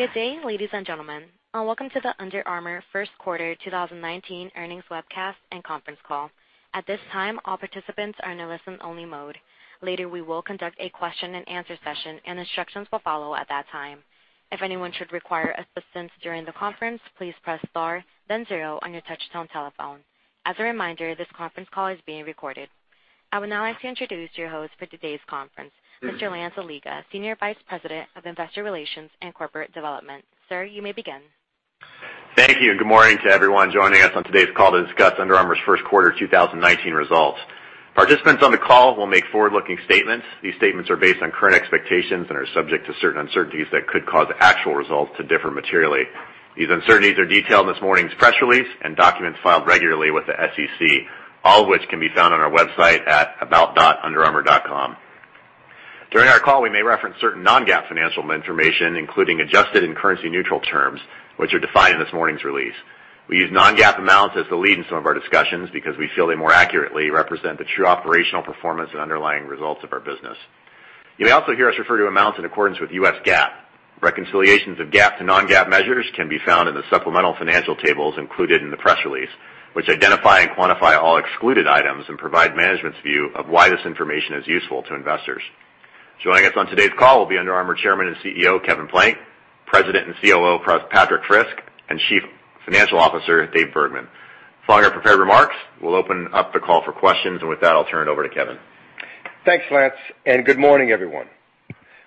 Good day, ladies and gentlemen. Welcome to the Under Armour First Quarter 2019 Earnings webcast and conference call. At this time, all participants are in a listen-only mode. Later, we will conduct a question-and-answer session, instructions will follow at that time. If anyone should require assistance during the conference, please press star, then zero on your touch-tone telephone. As a reminder, this conference call is being recorded. I would now like to introduce your host for today's conference, Mr. Lance Allega, Senior Vice President of Investor Relations and Corporate Development. Sir, you may begin. Thank you. Good morning to everyone joining us on today's call to discuss Under Armour's First Quarter 2019 results. Participants on the call will make forward-looking statements. These statements are based on current expectations and are subject to certain uncertainties that could cause actual results to differ materially. These uncertainties are detailed in this morning's press release and documents filed regularly with the SEC, all of which can be found on our website at about.underarmour.com. During our call, we may reference certain non-GAAP financial information, including adjusted and currency-neutral terms, which are defined in this morning's release. We use non-GAAP amounts as the lead in some of our discussions because we feel they more accurately represent the true operational performance and underlying results of our business. You may also hear us refer to amounts in accordance with U.S. GAAP. Reconciliations of GAAP to non-GAAP measures can be found in the supplemental financial tables included in the press release, which identify and quantify all excluded items and provide management's view of why this information is useful to investors. Joining us on today's call will be Under Armour Chairman and CEO Kevin Plank, President and COO Patrik Frisk, and Chief Financial Officer David Bergman. Following our prepared remarks, we'll open up the call for questions, with that, I'll turn it over to Kevin. Thanks, Lance, good morning, everyone.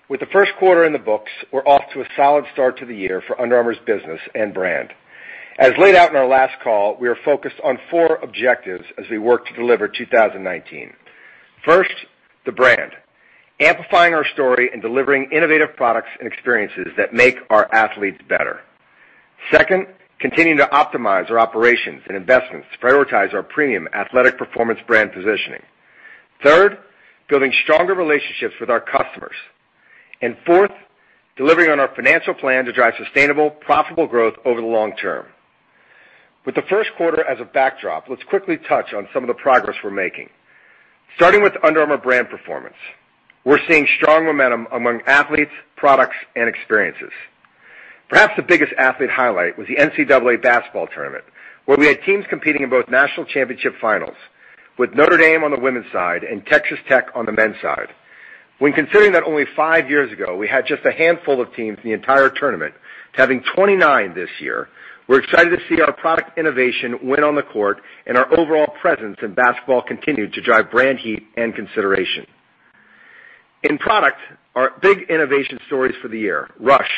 With the first quarter in the books, we're off to a solid start to the year for Under Armour's business and brand. As laid out in our last call, we are focused on four objectives as we work to deliver 2019. First, the brand: amplifying our story and delivering innovative products and experiences that make our athletes better. Second, continuing to optimize our operations and investments to prioritize our premium athletic performance brand positioning. Third, building stronger relationships with our customers. Fourth, delivering on our financial plan to drive sustainable, profitable growth over the long term. With the first quarter as a backdrop, let's quickly touch on some of the progress we're making. Starting with Under Armour brand performance, we're seeing strong momentum among athletes, products, and experiences. Perhaps the biggest athlete highlight was the NCAA basketball tournament, where we had teams competing in both national championship finals, with Notre Dame on the women's side and Texas Tech on the men's side. When considering that only five years ago we had just a handful of teams in the entire tournament to having 29 this year, we're excited to see our product innovation win on the court and our overall presence in basketball continue to drive brand heat and consideration. In product, our big innovation stories for the year, RUSH,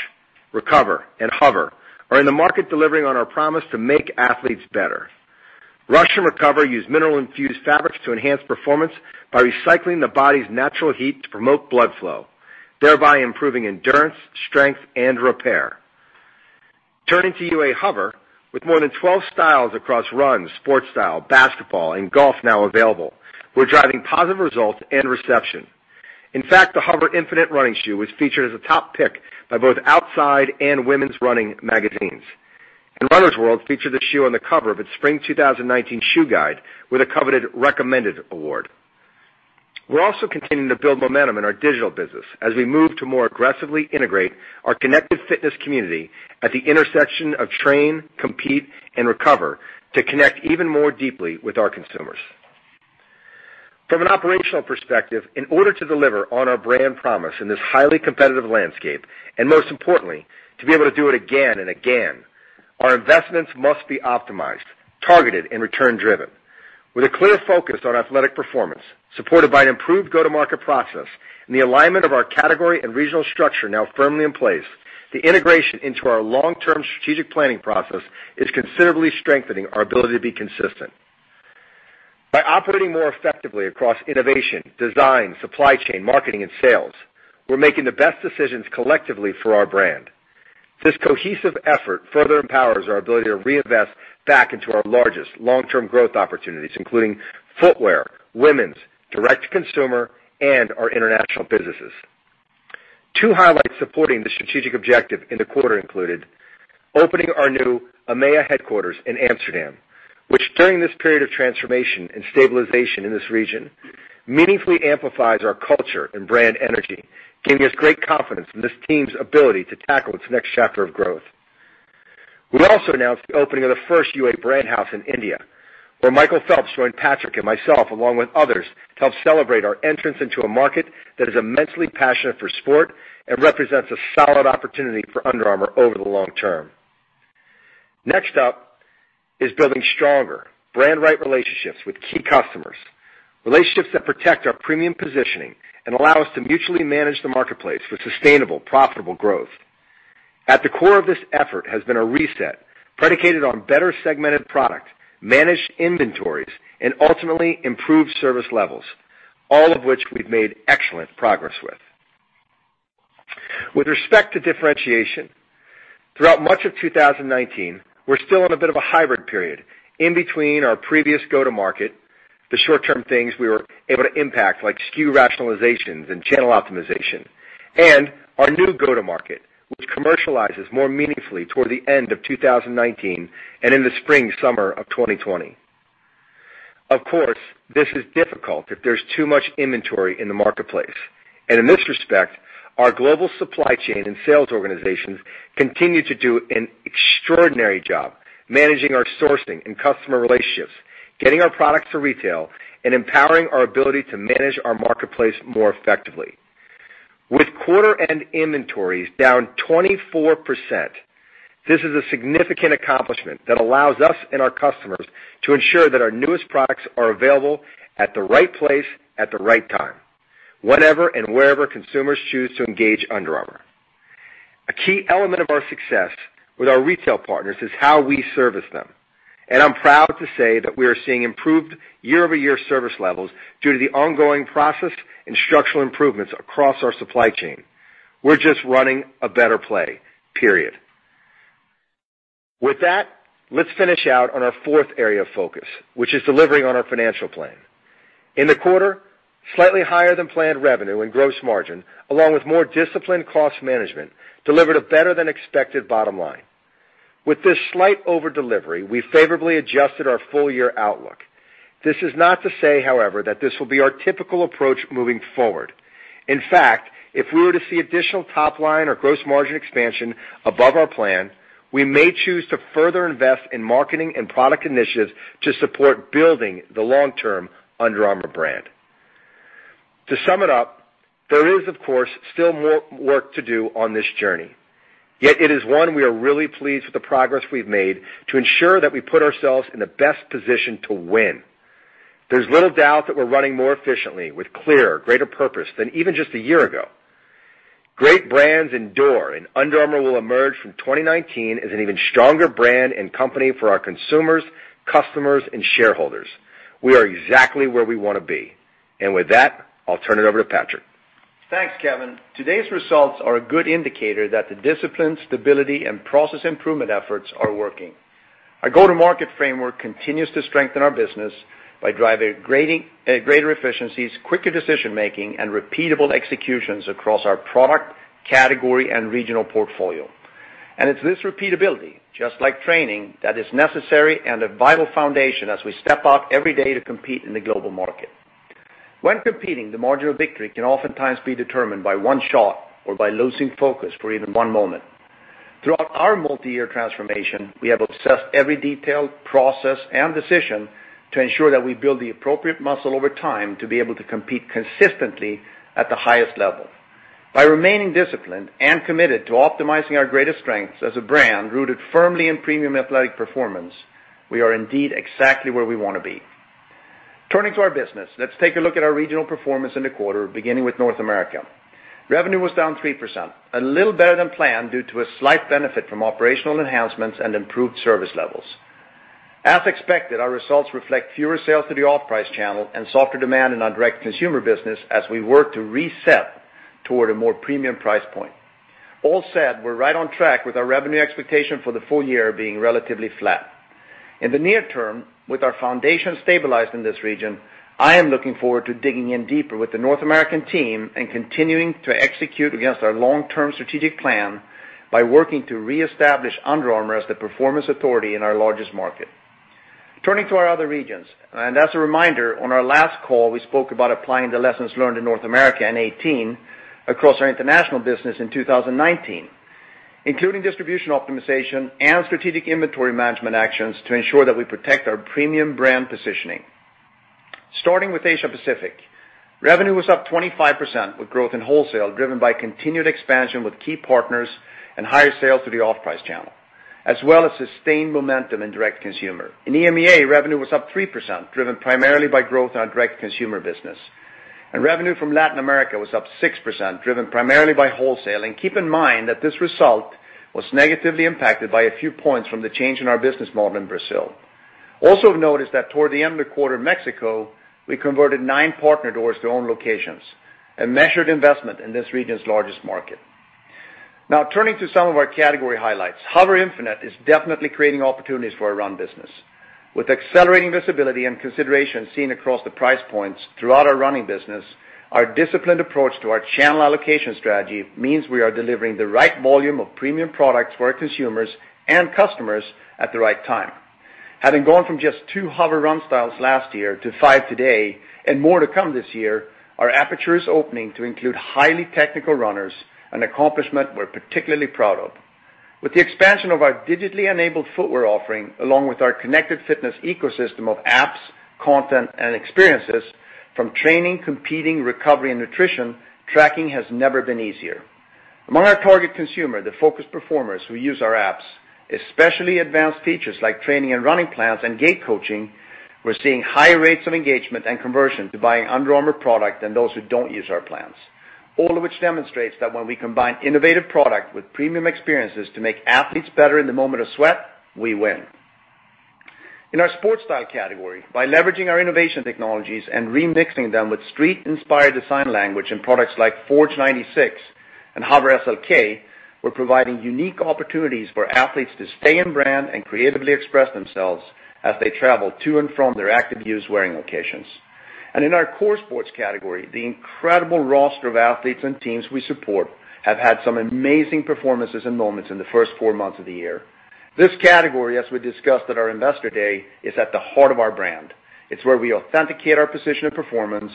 Recover, and HOVR, are in the market delivering on our promise to make athletes better. RUSH and Recover use mineral-infused fabrics to enhance performance by recycling the body's natural heat to promote blood flow, thereby improving endurance, strength, and repair. Turning to UA HOVR, with more than 12 styles across run, sports style, basketball, and golf now available, we're driving positive results and reception. In fact, the HOVR Infinite Running Shoe was featured as a top pick by both outside and women's running magazines. Runner's World featured the shoe on the cover of its Spring 2019 Shoe Guide with a coveted Recommended Award. We're also continuing to build momentum in our digital business as we move to more aggressively integrate our connected fitness community at the intersection of train, compete, and recover to connect even more deeply with our consumers. From an operational perspective, in order to deliver on our brand promise in this highly competitive landscape and, most importantly, to be able to do it again and again, our investments must be optimized, targeted, and return-driven. With a clear focus on athletic performance, supported by an improved go-to-market process, and the alignment of our category and regional structure now firmly in place, the integration into our long-term strategic planning process is considerably strengthening our ability to be consistent. By operating more effectively across innovation, design, supply chain, marketing, and sales, we're making the best decisions collectively for our brand. This cohesive effort further empowers our ability to reinvest back into our largest long-term growth opportunities, including footwear, women's, direct-to-consumer, and our international businesses. Two highlights supporting this strategic objective in the quarter included opening our new EMEA headquarters in Amsterdam, which, during this period of transformation and stabilization in this region, meaningfully amplifies our culture and brand energy, giving us great confidence in this team's ability to tackle its next chapter of growth. We also announced the opening of the first UA Brand House in India, where Michael Phelps joined Patrik and myself, along with others, to help celebrate our entrance into a market that is immensely passionate for sport and represents a solid opportunity for Under Armour over the long term. Next up is building stronger, brand-right relationships with key customers, relationships that protect our premium positioning and allow us to mutually manage the marketplace for sustainable, profitable growth. At the core of this effort has been a reset predicated on better segmented product, managed inventories, and ultimately improved service levels, all of which we've made excellent progress with. With respect to differentiation, throughout much of 2019, we're still in a bit of a hybrid period in between our previous go-to-market, the short-term things we were able to impact like SKU rationalizations and channel optimization, and our new go-to-market, which commercializes more meaningfully toward the end of 2019 and in the spring/summer of 2020. Of course, this is difficult if there's too much inventory in the marketplace. In this respect, our global supply chain and sales organizations continue to do an extraordinary job managing our sourcing and customer relationships, getting our products to retail, and empowering our ability to manage our marketplace more effectively. With quarter-end inventories down 24%, this is a significant accomplishment that allows us and our customers to ensure that our newest products are available at the right place at the right time, whenever and wherever consumers choose to engage Under Armour. A key element of our success with our retail partners is how we service them. I'm proud to say that we are seeing improved year-over-year service levels due to the ongoing process and structural improvements across our supply chain. We're just running a better play, period. With that, let's finish out on our fourth area of focus, which is delivering on our financial plan. In the quarter, slightly higher than planned revenue and gross margin, along with more disciplined cost management, delivered a better-than-expected bottom line. With this slight overdelivery, we favorably adjusted our full-year outlook. This is not to say, however, that this will be our typical approach moving forward. In fact, if we were to see additional top line or gross margin expansion above our plan, we may choose to further invest in marketing and product initiatives to support building the long-term Under Armour brand. To sum it up, there is, of course, still more work to do on this journey. Yet it is one we are really pleased with the progress we've made to ensure that we put ourselves in the best position to win. There's little doubt that we're running more efficiently with clearer, greater purpose than even just a year ago. Great brands endure, and Under Armour will emerge from 2019 as an even stronger brand and company for our consumers, customers, and shareholders. We are exactly where we want to be. With that, I'll turn it over to Patrik. Thanks, Kevin. Today's results are a good indicator that the discipline, stability, and process improvement efforts are working. Our go-to-market framework continues to strengthen our business by driving greater efficiencies, quicker decision-making, and repeatable executions across our product, category, and regional portfolio. It's this repeatability, just like training, that is necessary and a vital foundation as we step out every day to compete in the global market. When competing, the margin of victory can oftentimes be determined by one shot or by losing focus for even one moment. Throughout our multi-year transformation, we have obsessed every detail, process, and decision to ensure that we build the appropriate muscle over time to be able to compete consistently at the highest level. By remaining disciplined and committed to optimizing our greatest strengths as a brand rooted firmly in premium athletic performance, we are indeed exactly where we want to be. Turning to our business, let's take a look at our regional performance in the quarter, beginning with North America. Revenue was down 3%, a little better than planned due to a slight benefit from operational enhancements and improved service levels. As expected, our results reflect fewer sales to the off-price channel and softer demand in our direct-to-consumer business as we work to reset toward a more premium price point. All said, we're right on track with our revenue expectation for the full year being relatively flat. In the near term, with our foundation stabilized in this region, I am looking forward to digging in deeper with the North American team and continuing to execute against our long-term strategic plan by working to reestablish Under Armour as the performance authority in our largest market. As a reminder, on our last call, we spoke about applying the lessons learned in North America in 2018 across our international business in 2019, including distribution optimization and strategic inventory management actions to ensure that we protect our premium brand positioning. Starting with Asia Pacific, revenue was up 25% with growth in wholesale driven by continued expansion with key partners and higher sales to the off-price channel, as well as sustained momentum in direct-to-consumer. In EMEA, revenue was up 3% driven primarily by growth in our direct-to-consumer business. Revenue from Latin America was up 6% driven primarily by wholesale. Keep in mind that this result was negatively impacted by a few points from the change in our business model in Brazil. Also, of note is that toward the end of the quarter, Mexico, we converted nine partner doors to own locations, a measured investment in this region's largest market. Turning to some of our category highlights, HOVR Infinite is definitely creating opportunities for our run business. With accelerating visibility and consideration seen across the price points throughout our running business, our disciplined approach to our channel allocation strategy means we are delivering the right volume of premium products for our consumers and customers at the right time. Having gone from just two HOVR run styles last year to five today and more to come this year, our aperture is opening to include highly technical runners, an accomplishment we're particularly proud of. With the expansion of our digitally-enabled footwear offering, along with our connected fitness ecosystem of apps, content, and experiences, from training, competing, recovery, and nutrition, tracking has never been easier. Among our target consumer, the focused performers who use our apps, especially advanced features like training and running plans and gait coaching, we're seeing higher rates of engagement and conversion to buying Under Armour product than those who don't use our plans, all of which demonstrates that when we combine innovative product with premium experiences to make athletes better in the moment of sweat, we win. In our sports style category, by leveraging our innovation technologies and remixing them with street-inspired design language in products like Forge 96 and HOVR SLK, we're providing unique opportunities for athletes to stay in brand and creatively express themselves as they travel to and from their active use wearing locations. In our core sports category, the incredible roster of athletes and teams we support have had some amazing performances and moments in the first four months of the year. This category, as we discussed at our Investor Day, is at the heart of our brand. It's where we authenticate our position and performance,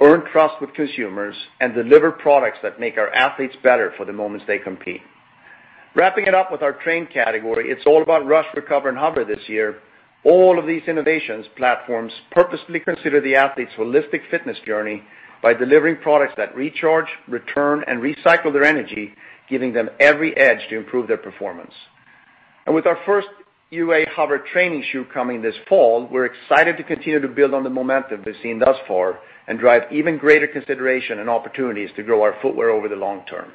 earn trust with consumers, and deliver products that make our athletes better for the moments they compete. Wrapping it up with our train category, it's all about Rush, Recover, and HOVR this year. All of these innovations platforms purposefully consider the athlete's holistic fitness journey by delivering products that recharge, return, and recycle their energy, giving them every edge to improve their performance. With our first UA HOVR training shoe coming this fall, we're excited to continue to build on the momentum we've seen thus far and drive even greater consideration and opportunities to grow our footwear over the long term.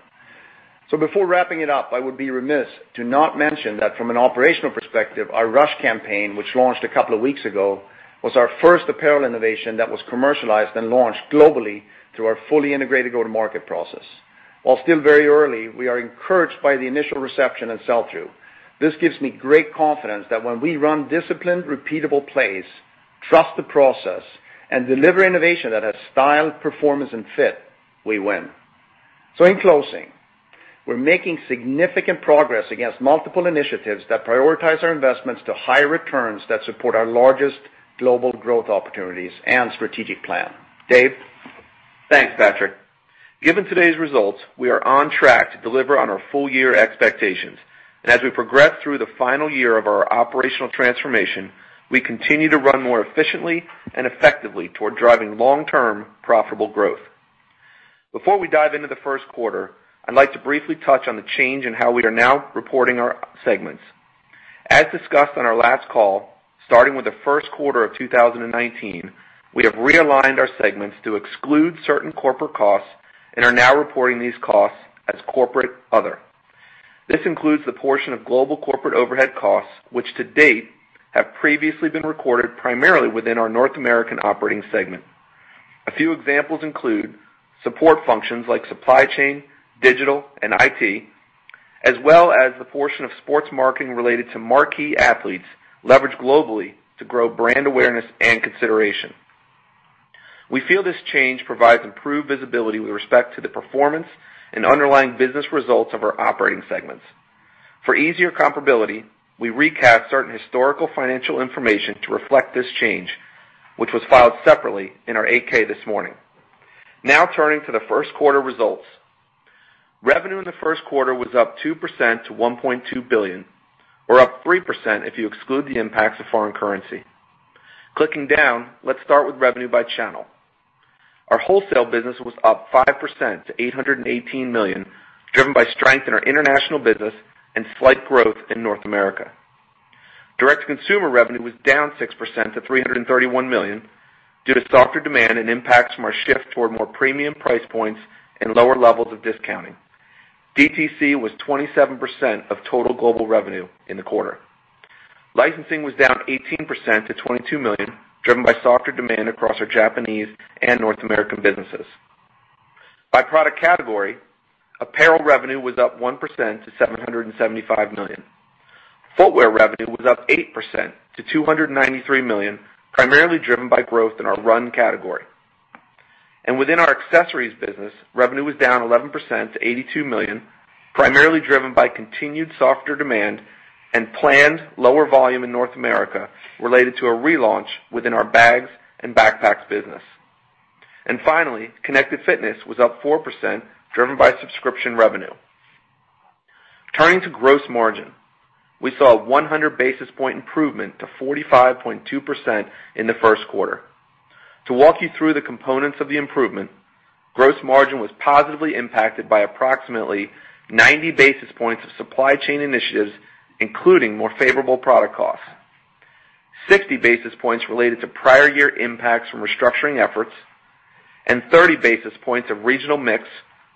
Before wrapping it up, I would be remiss to not mention that from an operational perspective, our UA RUSH campaign, which launched a couple of weeks ago, was our first apparel innovation that was commercialized and launched globally through our fully integrated go-to-market process. While still very early, we are encouraged by the initial reception and sell-through. This gives me great confidence that when we run disciplined, repeatable plays, trust the process, and deliver innovation that has style, performance, and fit, we win. In closing, we're making significant progress against multiple initiatives that prioritize our investments to high returns that support our largest global growth opportunities and strategic plan. Dave? Thanks, Patrik. Given today's results, we are on track to deliver on our full-year expectations. As we progress through the final year of our operational transformation, we continue to run more efficiently and effectively toward driving long-term profitable growth. Before we dive into the first quarter, I'd like to briefly touch on the change in how we are now reporting our segments. As discussed on our last call, starting with the first quarter of 2019, we have realigned our segments to exclude certain corporate costs and are now reporting these costs as corporate other. This includes the portion of global corporate overhead costs, which to date have previously been recorded primarily within our North American operating segment. A few examples include support functions like supply chain, digital, and IT, as well as the portion of sports marketing related to marquee athletes leveraged globally to grow brand awareness and consideration. We feel this change provides improved visibility with respect to the performance and underlying business results of our operating segments. For easier comparability, we recast certain historical financial information to reflect this change, which was filed separately in our 8-K this morning. Turning to the first quarter results. Revenue in the first quarter was up 2% to $1.2 billion, or up 3% if you exclude the impacts of foreign currency. Clicking down, let's start with revenue by channel. Our wholesale business was up 5% to $818 million, driven by strength in our international business and slight growth in North America. Direct-to-consumer revenue was down 6% to $331 million due to softer demand and impacts from our shift toward more premium price points and lower levels of discounting. DTC was 27% of total global revenue in the quarter. Licensing was down 18% to $22 million, driven by softer demand across our Japanese and North American businesses. By product category, apparel revenue was up 1% to $775 million. Footwear revenue was up 8% to $293 million, primarily driven by growth in our run category. Within our accessories business, revenue was down 11% to $82 million, primarily driven by continued softer demand and planned lower volume in North America related to a relaunch within our bags and backpacks business. Finally, connected fitness was up 4%, driven by subscription revenue. Turning to gross margin, we saw a 100 basis point improvement to 45.2% in the first quarter. To walk you through the components of the improvement, gross margin was positively impacted by approximately 90 basis points of supply chain initiatives, including more favorable product costs, 60 basis points related to prior year impacts from restructuring efforts, and 30 basis points of regional mix,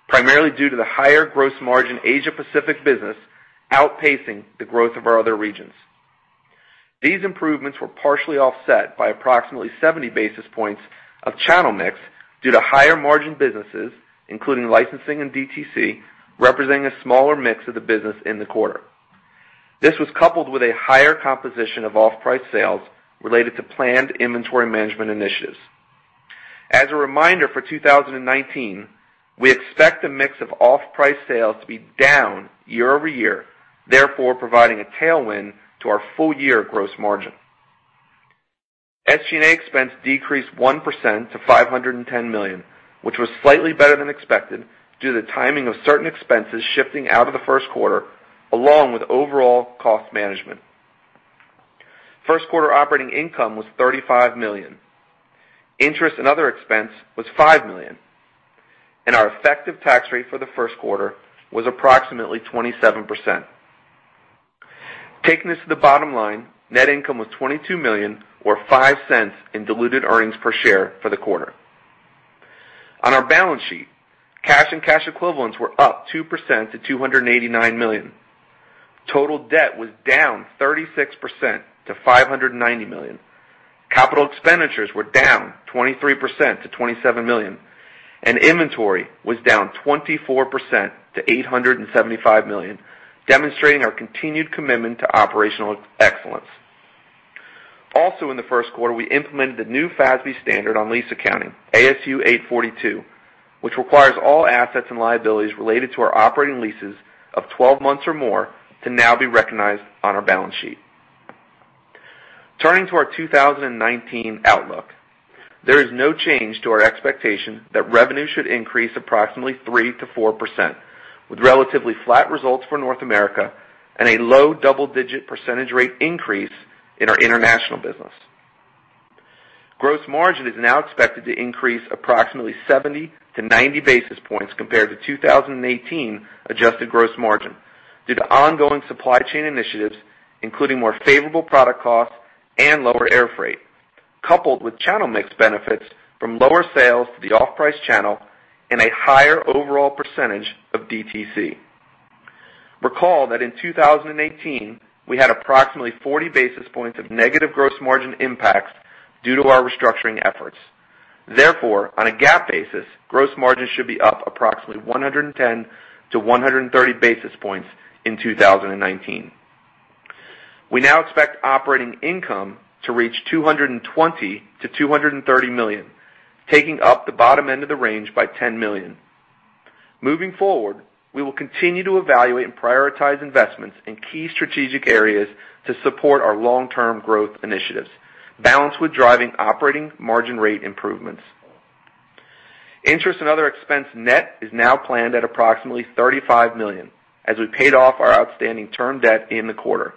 primarily due to the higher gross margin Asia Pacific business outpacing the growth of our other regions. These improvements were partially offset by approximately 70 basis points of channel mix due to higher margin businesses, including licensing and DTC, representing a smaller mix of the business in the quarter. This was coupled with a higher composition of off-price sales related to planned inventory management initiatives. As a reminder for 2019, we expect a mix of off-price sales to be down year-over-year, therefore providing a tailwind to our full-year gross margin. SG&A expense decreased 1% to $510 million, which was slightly better than expected due to the timing of certain expenses shifting out of the first quarter, along with overall cost management. First quarter operating income was $35 million. Interest and other expense was $5 million. Our effective tax rate for the first quarter was approximately 27%. Taking this to the bottom line, net income was $22 million, or $0.05 in diluted earnings per share for the quarter. On our balance sheet, cash and cash equivalents were up 2% to $289 million. Total debt was down 36% to $590 million. Capital expenditures were down 23% to $27 million. Inventory was down 24% to $875 million, demonstrating our continued commitment to operational excellence. Also, in the first quarter, we implemented the new FASB standard on lease accounting, ASU 842, which requires all assets and liabilities related to our operating leases of 12 months or more to now be recognized on our balance sheet. Turning to our 2019 outlook, there is no change to our expectation that revenue should increase approximately 3% to 4%, with relatively flat results for North America and a low double-digit percentage rate increase in our international business. Gross margin is now expected to increase approximately 70 to 90 basis points compared to 2018 adjusted gross margin due to ongoing supply chain initiatives, including more favorable product costs and lower air freight, coupled with channel mix benefits from lower sales to the off-price channel and a higher overall percentage of DTC. Recall that in 2018, we had approximately 40 basis points of negative gross margin impacts due to our restructuring efforts. Therefore, on a GAAP basis, gross margin should be up approximately 110-130 basis points in 2019. We now expect operating income to reach $220 million-$230 million, taking up the bottom end of the range by $10 million. Moving forward, we will continue to evaluate and prioritize investments in key strategic areas to support our long-term growth initiatives, balanced with driving operating margin rate improvements. Interest and other expense net is now planned at approximately $35 million as we paid off our outstanding term debt in the quarter.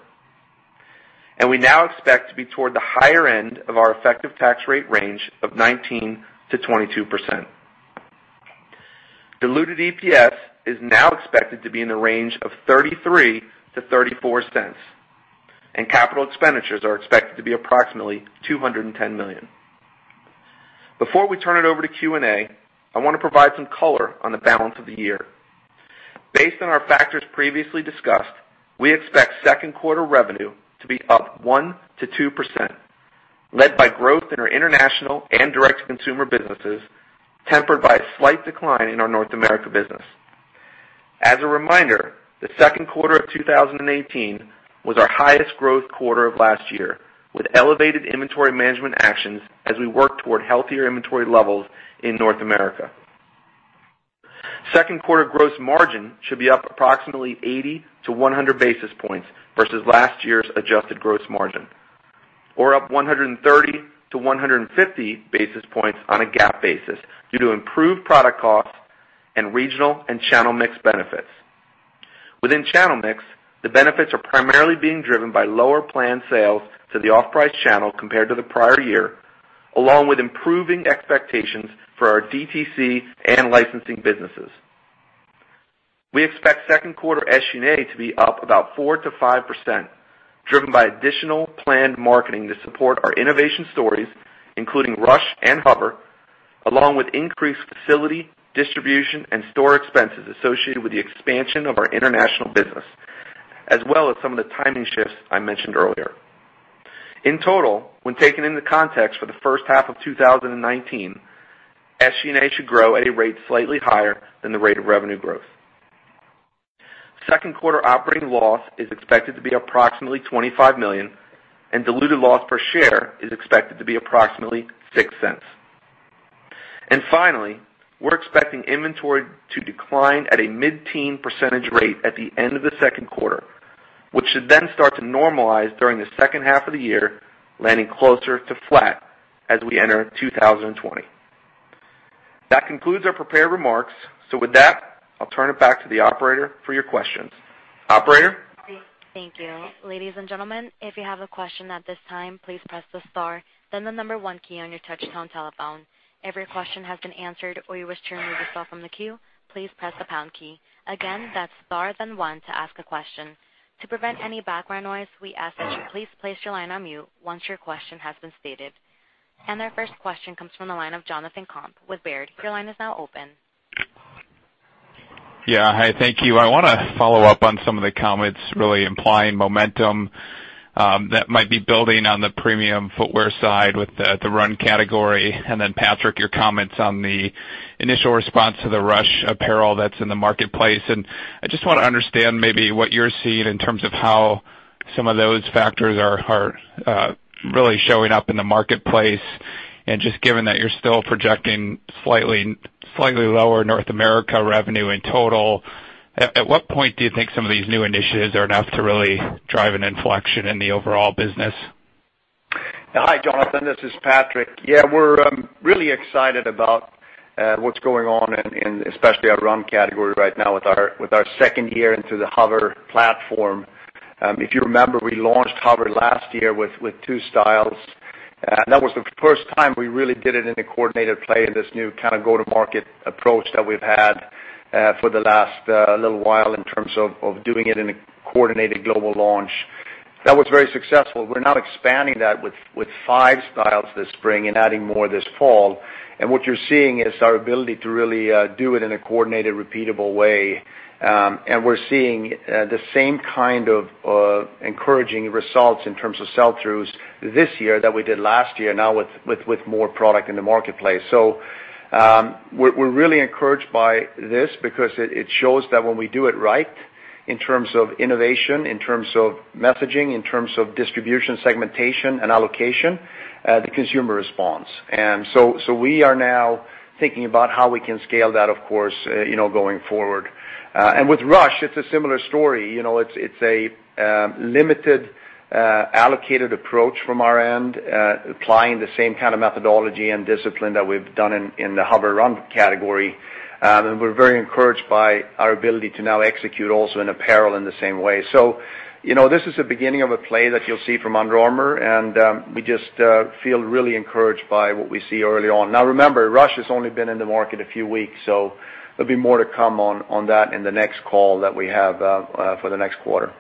We now expect to be toward the higher end of our effective tax rate range of 19%-22%. Diluted EPS is now expected to be in the range of $0.33-$0.34. Capital expenditures are expected to be approximately $210 million. Before we turn it over to Q&A, I want to provide some color on the balance of the year. Based on our factors previously discussed, we expect second quarter revenue to be up 1%-2%, led by growth in our international and direct-to-consumer businesses, tempered by a slight decline in our North America business. As a reminder, the second quarter of 2018 was our highest growth quarter of last year, with elevated inventory management actions as we worked toward healthier inventory levels in North America. Second quarter gross margin should be up approximately 80-100 basis points versus last year's adjusted gross margin, or up 130-150 basis points on a GAAP basis due to improved product costs and regional and channel mix benefits. Within channel mix, the benefits are primarily being driven by lower planned sales to the off-price channel compared to the prior year, along with improving expectations for our DTC and licensing businesses. We expect second quarter SG&A to be up about 4%-5%, driven by additional planned marketing to support our innovation stories, including UA RUSH and HOVR, along with increased facility, distribution, and store expenses associated with the expansion of our international business, as well as some of the timing shifts I mentioned earlier. In total, when taken in the context for the first half of 2019, SG&A should grow at a rate slightly higher than the rate of revenue growth. Second quarter operating loss is expected to be approximately $25 million, and diluted loss per share is expected to be approximately $0.06. Finally, we're expecting inventory to decline at a mid-teen percentage rate at the end of the second quarter, which should then start to normalize during the second half of the year, landing closer to flat as we enter 2020. That concludes our prepared remarks. With that, I'll turn it back to the operator for your questions. Operator? Thank you. Ladies and gentlemen, if you have a question at this time, please press the star, then the number one key on your touch-tone telephone. If your question has been answered or you wish to remove yourself from the queue, please press the pound key. Again, that's star then one to ask a question. To prevent any background noise, we ask that you please place your line on mute once your question has been stated. Our first question comes from the line of Jonathan Komp with Baird. Your line is now open. Yeah. Hi. Thank you. I want to follow up on some of the comments really implying momentum that might be building on the premium footwear side with the run category. Then, Patrik, your comments on the initial response to the RUSH apparel that's in the marketplace. I just want to understand maybe what you're seeing in terms of how some of those factors are really showing up in the marketplace. Just given that you're still projecting slightly lower North America revenue in total, at what point do you think some of these new initiatives are enough to really drive an inflection in the overall business? Hi, Jonathan. This is Patrik. Yeah. We're really excited about what's going on, especially our run category right now with our second year into the HOVR platform. If you remember, we launched HOVR last year with two styles. That was the first time we really did it in a coordinated play in this new kind of go-to-market approach that we've had for the last little while in terms of doing it in a coordinated global launch. That was very successful. We're now expanding that with five styles this spring and adding more this fall. What you're seeing is our ability to really do it in a coordinated, repeatable way. We're seeing the same kind of encouraging results in terms of sell-throughs this year that we did last year, now with more product in the marketplace. We're really encouraged by this because it shows that when we do it right in terms of innovation, in terms of messaging, in terms of distribution, segmentation, and allocation, the consumer responds. So we are now thinking about how we can scale that, of course, going forward. With RUSH, it's a similar story. It's a limited, allocated approach from our end, applying the same kind of methodology and discipline that we've done in the HOVR run category. We're very encouraged by our ability to now execute also in apparel in the same way. This is the beginning of a play that you'll see from Under Armour. We just feel really encouraged by what we see early on. Now, remember, RUSH has only been in the market a few weeks. There'll be more to come on that in the next call that we have for the next quarter.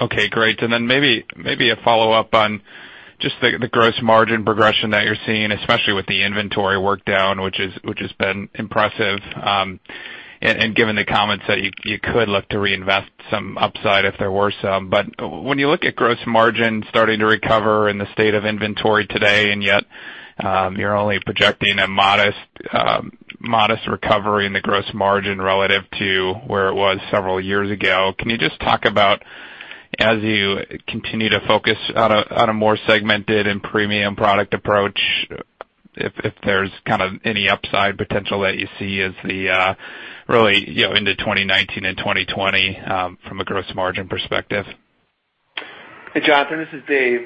Okay. Great. Maybe a follow-up on just the gross margin progression that you're seeing, especially with the inventory workdown, which has been impressive. Given the comments that you could look to reinvest some upside if there were some. When you look at gross margin starting to recover in the state of inventory today, yet you're only projecting a modest recovery in the gross margin relative to where it was several years ago, can you just talk about as you continue to focus on a more segmented and premium product approach, if there's kind of any upside potential that you see as the really into 2019 and 2020 from a gross margin perspective? Hey, Jonathan. This is Dave.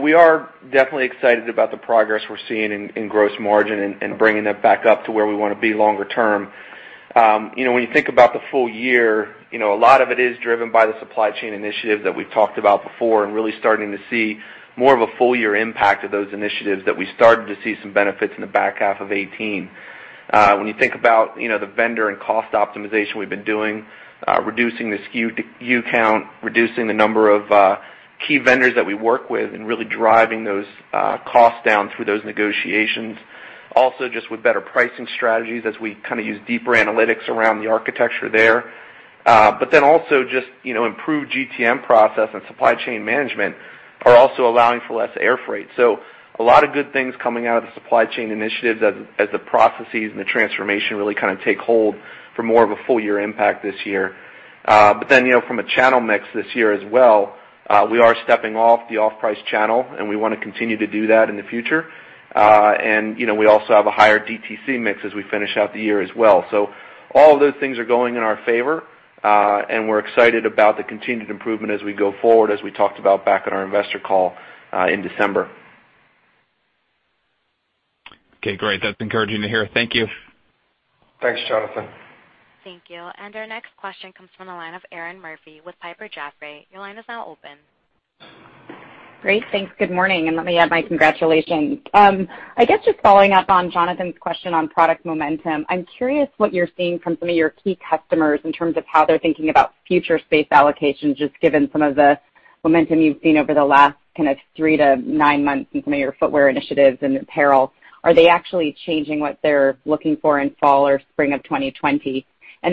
We are definitely excited about the progress we're seeing in gross margin and bringing it back up to where we want to be longer term. When you think about the full year, a lot of it is driven by the supply chain initiatives that we've talked about before and really starting to see more of a full-year impact of those initiatives that we started to see some benefits in the back half of 2018. When you think about the vendor and cost optimization we've been doing, reducing the SKU count, reducing the number of key vendors that we work with, and really driving those costs down through those negotiations, also just with better pricing strategies as we kind of use deeper analytics around the architecture there. Also just improved GTM process and supply chain management are also allowing for less air freight. A lot of good things coming out of the supply chain initiatives as the processes and the transformation really kind of take hold for more of a full-year impact this year. From a channel mix this year as well, we are stepping off the off-price channel, and we want to continue to do that in the future. We also have a higher DTC mix as we finish out the year as well. All of those things are going in our favor. We're excited about the continued improvement as we go forward, as we talked about back at our investor call in December. Okay. Great. That's encouraging to hear. Thank you. Thanks, Jonathan. Thank you. Our next question comes from the line of Erinn Murphy with Piper Jaffray. Your line is now open. Great. Thanks. Good morning. Let me add my congratulations. I guess just following up on Jonathan's question on product momentum, I'm curious what you're seeing from some of your key customers in terms of how they're thinking about future space allocation, just given some of the momentum you've seen over the last kind of 3-9 months in some of your footwear initiatives and apparel. Are they actually changing what they're looking for in fall or spring of 2020?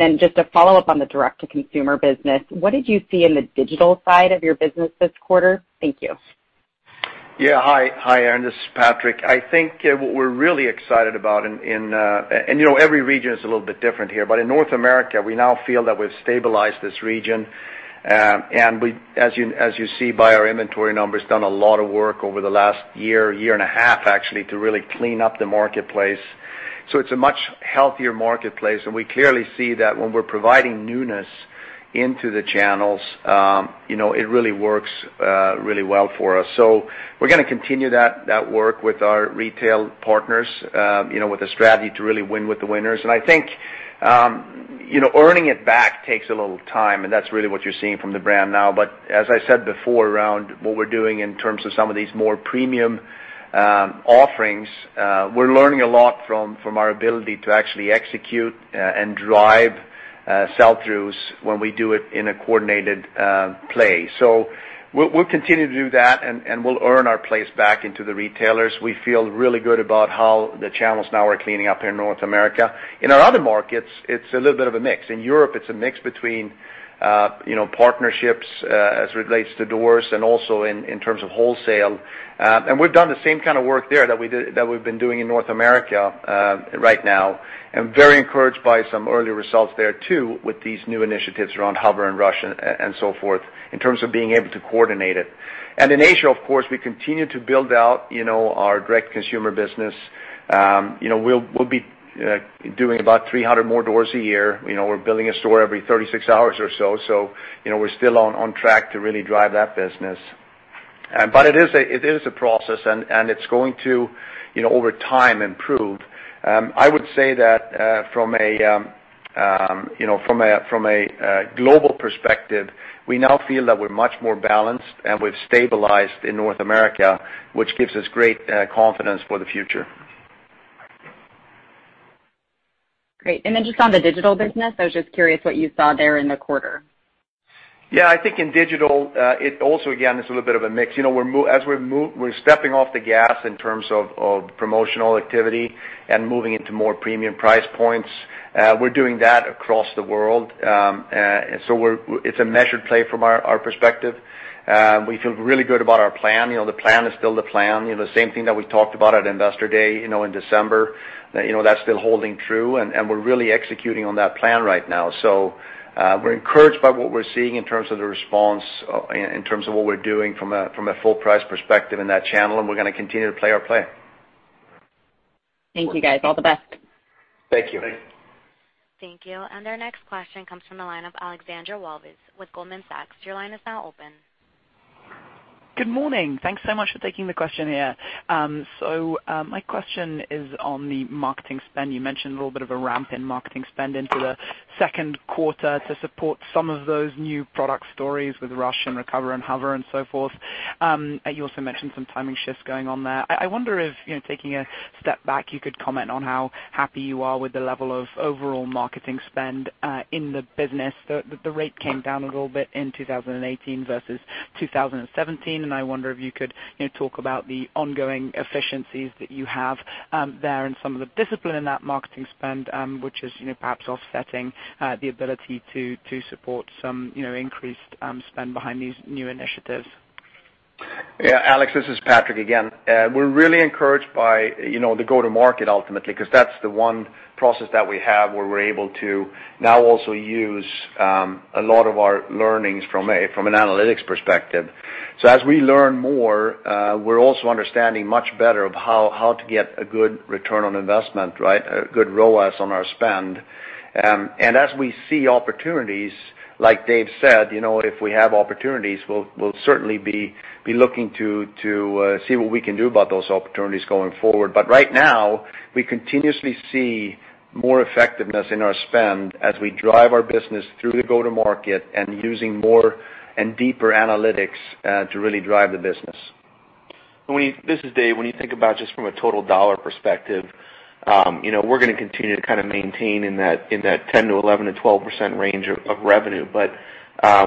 Then just a follow-up on the direct-to-consumer business, what did you see in the digital side of your business this quarter? Thank you. Hi, Aaron. This is Patrik. I think what we're really excited about in every region is a little bit different here. In North America, we now feel that we've stabilized this region. As you see by our inventory numbers, done a lot of work over the last year and a half, actually, to really clean up the marketplace. So it's a much healthier marketplace. We clearly see that when we're providing newness into the channels, it really works really well for us. So we're going to continue that work with our retail partners with a strategy to really win with the winners. I think earning it back takes a little time. That's really what you're seeing from the brand now. As I said before around what we're doing in terms of some of these more premium offerings, we're learning a lot from our ability to actually execute and drive sell-throughs when we do it in a coordinated play. So we'll continue to do that, and we'll earn our place back into the retailers. We feel really good about how the channels now are cleaning up here in North America. In our other markets, it's a little bit of a mix. In Europe, it's a mix between partnerships as it relates to doors and also in terms of wholesale. We've done the same kind of work there that we've been doing in North America right now and very encouraged by some early results there too with these new initiatives around HOVR and UA RUSH and so forth in terms of being able to coordinate it. In Asia, of course, we continue to build out our direct-to-consumer business. We'll be doing about 300 more doors a year. We're building a store every 36 hours or so. So we're still on track to really drive that business. But it is a process, and it's going to, over time, improve. I would say that from a global perspective, we now feel that we're much more balanced, and we've stabilized in North America, which gives us great confidence for the future. Great. Just on the digital business, I was just curious what you saw there in the quarter. Yeah. I think in digital, it also, again, is a little bit of a mix. As we're stepping off the gas in terms of promotional activity and moving into more premium price points, we're doing that across the world. It's a measured play from our perspective. We feel really good about our plan. The plan is still the plan. The same thing that we talked about at Investor Day in December, that's still holding true. We're really executing on that plan right now. We're encouraged by what we're seeing in terms of the response, in terms of what we're doing from a full-price perspective in that channel. We're going to continue to play our play. Thank you, guys. All the best. Thank you. Thank you. Our next question comes from the line of Alexandra Walvis with Goldman Sachs. Your line is now open. Good morning. Thanks so much for taking the question here. My question is on the marketing spend. You mentioned a little bit of a ramp in marketing spend into the second quarter to support some of those new product stories with Rush and Recover and HOVR and so forth. You also mentioned some timing shifts going on there. I wonder if, taking a step back, you could comment on how happy you are with the level of overall marketing spend in the business. The rate came down a little bit in 2018 versus 2017. I wonder if you could talk about the ongoing efficiencies that you have there and some of the discipline in that marketing spend, which is perhaps offsetting the ability to support some increased spend behind these new initiatives. Yeah. Alex, this is Patrik again. We're really encouraged by the go-to-market, ultimately, because that's the one process that we have where we're able to now also use a lot of our learnings from an analytics perspective. As we learn more, we're also understanding much better of how to get a good return on investment, right, a good ROAS on our spend. As we see opportunities, like Dave said, if we have opportunities, we'll certainly be looking to see what we can do about those opportunities going forward. Right now, we continuously see more effectiveness in our spend as we drive our business through the go-to-market and using more and deeper analytics to really drive the business. This is Dave. When you think about just from a total dollar perspective, we're going to continue to kind of maintain in that 10% to 11% to 12% range of revenue.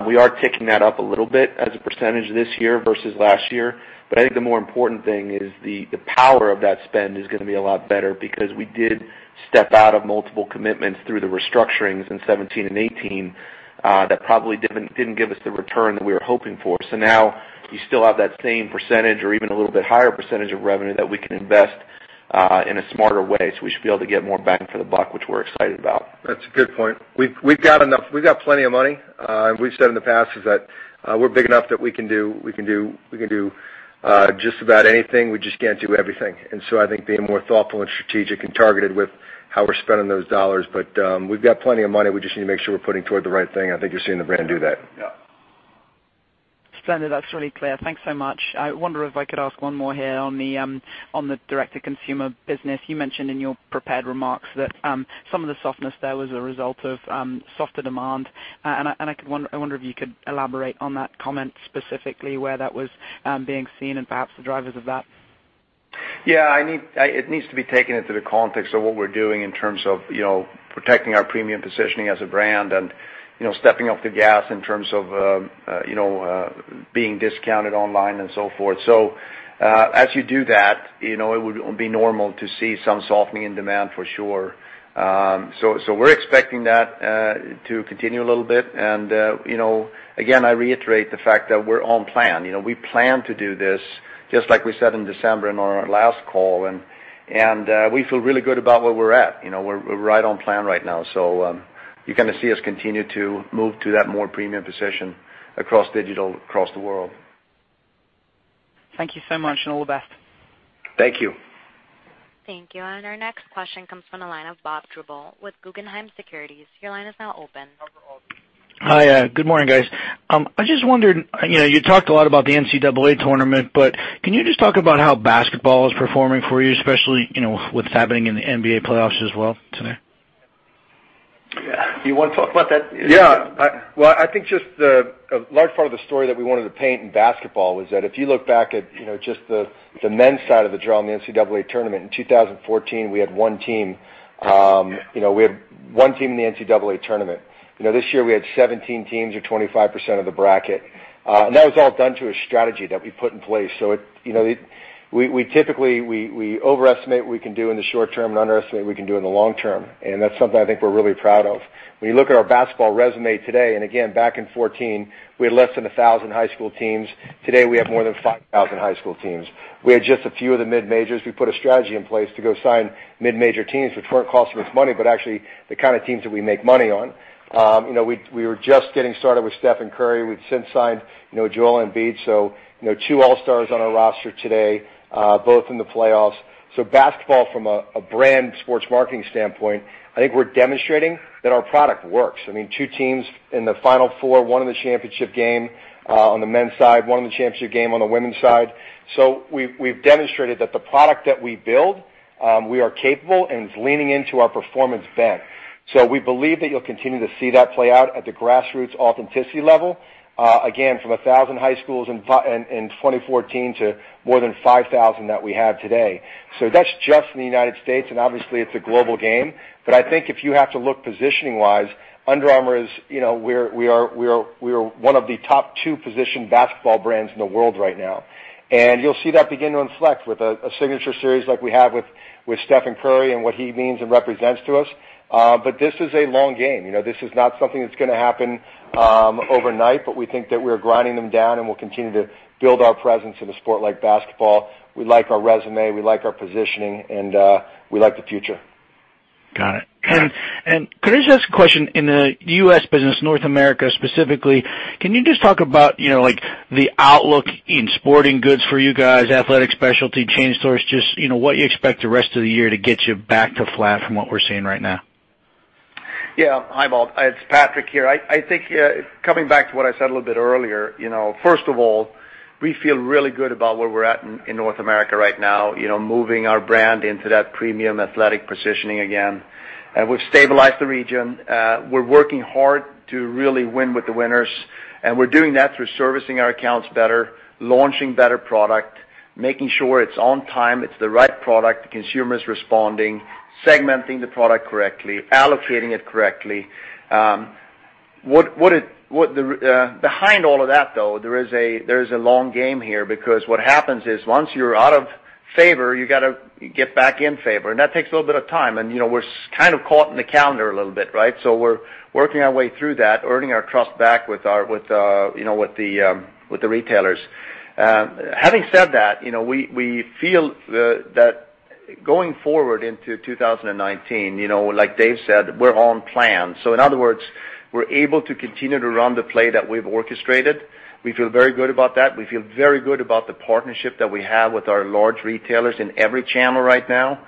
We are ticking that up a little bit as a percentage this year versus last year. I think the more important thing is the power of that spend is going to be a lot better because we did step out of multiple commitments through the restructurings in 2017 and 2018 that probably didn't give us the return that we were hoping for. Now, you still have that same percentage or even a little bit higher percentage of revenue that we can invest in a smarter way. We should be able to get more bang for the buck, which we're excited about. That's a good point. We've got enough. We've got plenty of money. We've said in the past is that we're big enough that we can do just about anything. We just can't do everything. I think being more thoughtful and strategic and targeted with how we're spending those dollars. We've got plenty of money. We just need to make sure we're putting toward the right thing. I think you're seeing the brand do that. Yeah. Splendid. That's really clear. Thanks so much. I wonder if I could ask one more here on the direct-to-consumer business. You mentioned in your prepared remarks that some of the softness there was a result of softer demand. I wonder if you could elaborate on that comment specifically, where that was being seen and perhaps the drivers of that. Yeah. It needs to be taken into the context of what we're doing in terms of protecting our premium positioning as a brand and stepping off the gas in terms of being discounted online and so forth. As you do that, it would be normal to see some softening in demand, for sure. We're expecting that to continue a little bit. Again, I reiterate the fact that we're on plan. We plan to do this just like we said in December in our last call. We feel really good about where we're at. We're right on plan right now. You kind of see us continue to move to that more premium position across digital across the world. Thank you so much. All the best. Thank you. Thank you. Our next question comes from the line of Bob Drbul with Guggenheim Securities. Your line is now open. Hi. Good morning, guys. I just wondered, you talked a lot about the NCAA tournament. Can you just talk about how basketball is performing for you, especially with it happening in the NBA playoffs as well today? Yeah. You want to talk about that? Yeah. Well, I think just a large part of the story that we wanted to paint in basketball was that if you look back at just the men's side of the draw in the NCAA tournament, in 2014, we had one team. We had one team in the NCAA tournament. This year, we had 17 teams or 25% of the bracket. That was all done through a strategy that we put in place. We overestimate what we can do in the short term and underestimate what we can do in the long term. That's something I think we're really proud of. When you look at our basketball resume today and again, back in 2014, we had less than 1,000 high school teams. Today, we have more than 5,000 high school teams. We had just a few of the mid-majors. We put a strategy in place to go sign mid-major teams, which weren't costing us money but actually the kind of teams that we make money on. We were just getting started with Stephen Curry. We'd since signed Joel Embiid. Two All-Stars on our roster today, both in the playoffs. Basketball, from a brand sports marketing standpoint, I think we're demonstrating that our product works. I mean, 2 teams in the final 4, 1 in the championship game on the men's side, 1 in the championship game on the women's side. We've demonstrated that the product that we build, we are capable, and it's leaning into our performance bent. We believe that you'll continue to see that play out at the grassroots authenticity level, again, from 1,000 high schools in 2014 to more than 5,000 that we have today. That's just in the United States. Obviously, it's a global game. I think if you have to look positioning-wise, Under Armour is we are one of the top two-positioned basketball brands in the world right now. You'll see that begin to inflect with a signature series like we have with Stephen Curry and what he means and represents to us. This is a long game. This is not something that's going to happen overnight. We think that we're grinding them down, and we'll continue to build our presence in a sport like basketball. We like our resume. We like our positioning. We like the future. Got it. Could I just ask a question? In the U.S. business, North America specifically, can you just talk about the outlook in sporting goods for you guys, athletic specialty, chain stores, just what you expect the rest of the year to get you back to flat from what we're seeing right now? Yeah. Hi, Bob. It's Patrik here. I think coming back to what I said a little bit earlier, first of all, we feel really good about where we're at in North America right now, moving our brand into that premium athletic positioning again. We've stabilized the region. We're working hard to really win with the winners. We're doing that through servicing our accounts better, launching better product, making sure it's on time, it's the right product, the consumer is responding, segmenting the product correctly, allocating it correctly. Behind all of that, though, there is a long game here because what happens is once you're out of favor, you got to get back in favor. That takes a little bit of time. We're kind of caught in the calendar a little bit, right? We're working our way through that, earning our trust back with the retailers. Having said that, we feel that going forward into 2019, like Dave said, we're on plan. In other words, we're able to continue to run the play that we've orchestrated. We feel very good about that. We feel very good about the partnership that we have with our large retailers in every channel right now.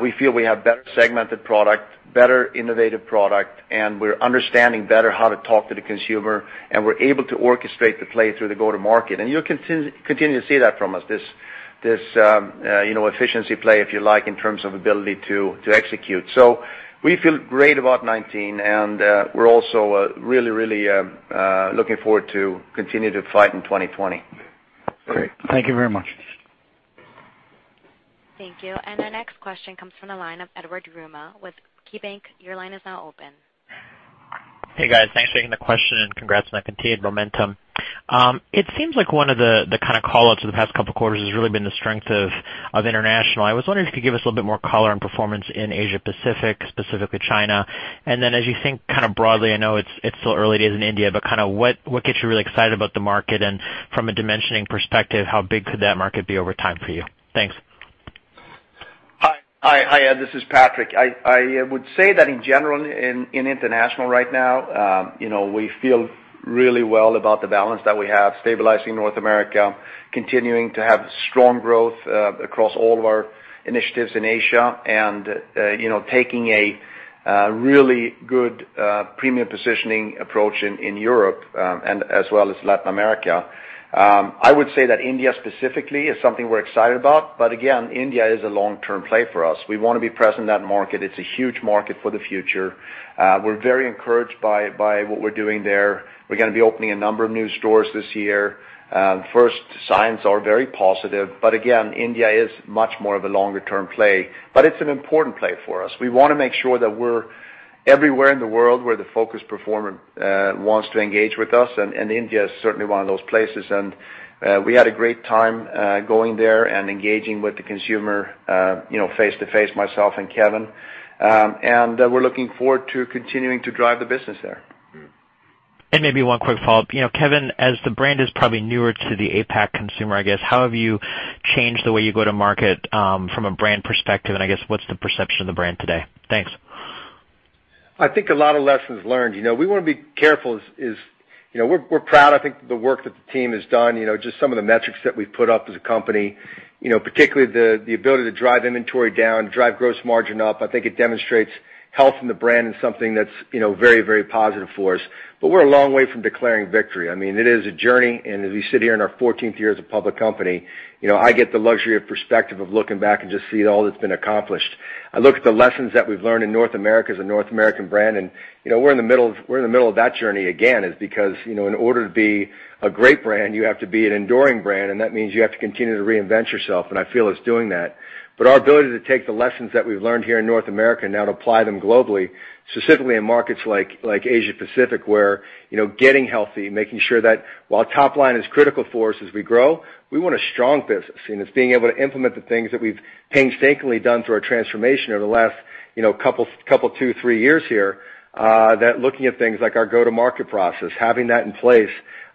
We feel we have better segmented product, better innovative product. We're understanding better how to talk to the consumer. We're able to orchestrate the play through the go-to-market. You'll continue to see that from us, this efficiency play, if you like, in terms of ability to execute. We feel great about 2019. We're also really, really looking forward to continue to fight in 2020. Great. Thank you very much. Thank you. Our next question comes from the line of Edward Yruma with KeyBanc. Your line is now open. Hey, guys. Thanks for taking the question, congrats on that continued momentum. It seems like one of the kind of callouts of the past couple of quarters has really been the strength of international. I was wondering if you could give us a little bit more color on performance in Asia-Pacific, specifically China. Then as you think kind of broadly I know it's still early days in India. Kind of what gets you really excited about the market? From a dimensioning perspective, how big could that market be over time for you? Thanks. Hi, Ed. This is Patrik. I would say that in general, in international right now, we feel really well about the balance that we have, stabilizing North America, continuing to have strong growth across all of our initiatives in Asia, and taking a really good premium positioning approach in Europe as well as Latin America. I would say that India specifically is something we're excited about. Again, India is a long-term play for us. We want to be present in that market. It's a huge market for the future. We're very encouraged by what we're doing there. We're going to be opening a number of new stores this year. First signs are very positive. Again, India is much more of a longer-term play. It's an important play for us. We want to make sure that we're everywhere in the world where the focused performer wants to engage with us. India is certainly one of those places. We had a great time going there and engaging with the consumer face-to-face, myself and Kevin. We're looking forward to continuing to drive the business there. Maybe one quick follow-up. Kevin, as the brand is probably newer to the APAC consumer, I guess, how have you changed the way you go to market from a brand perspective? I guess, what's the perception of the brand today? Thanks. I think a lot of lessons learned. We want to be careful is we're proud, I think, of the work that the team has done, just some of the metrics that we've put up as a company, particularly the ability to drive inventory down, drive gross margin up. I think it demonstrates health in the brand and something that's very positive for us. We're a long way from declaring victory. I mean, it is a journey. As we sit here in our 14th year as a public company, I get the luxury of perspective of looking back and just see all that's been accomplished. I look at the lessons that we've learned in North America as a North American brand. We're in the middle of that journey again is because in order to be a great brand, you have to be an enduring brand. That means you have to continue to reinvent yourself. I feel it's doing that. Our ability to take the lessons that we've learned here in North America and now to apply them globally, specifically in markets like Asia-Pacific, where getting healthy, making sure that while top line is critical for us as we grow, we want a strong business. It's being able to implement the things that we've painstakingly done through our transformation over the last couple, two, three years here, that looking at things like our go-to-market process, having that in place,